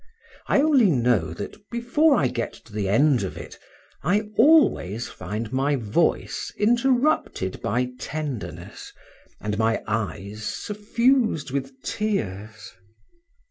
I only know, that before I get to the end of it, I always find my voice interrupted by tenderness, and my eyes suffused with tears.